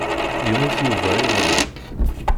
Yemmut Yuba iḍelli.